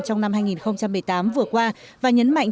trong năm hai nghìn một mươi tám vừa qua và nhấn mạnh